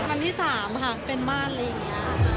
เมือนที่สามค่ะเป็นม่าหนเลย